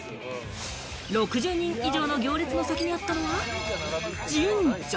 ６０人以上の行列の先にあったのは神社。